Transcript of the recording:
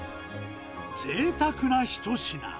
ぜいたくな一品。